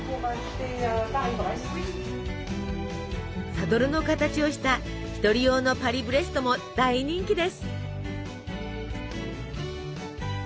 サドルの形をした１人用のパリブレストも大人気です。